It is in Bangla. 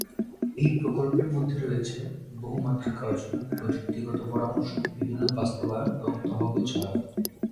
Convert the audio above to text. এই প্রকল্পের মধ্যে রয়েছে বহুমাত্রিক গবেষণা, প্রযুক্তিগত পরামর্শ, বিভিন্ন বাস্তবায়ন এবং তহবিল সহায়তা।